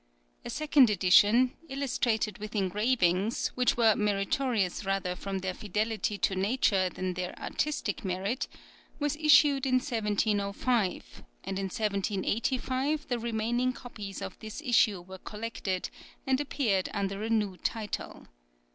A second edition, illustrated with engravings which were meritorious rather from their fidelity to nature than their artistic merit, was issued in 1705, and in 1785 the remaining copies of this issue were collected, and appeared under a new title.